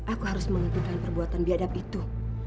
aku harus menentukan perbuatan biadab itu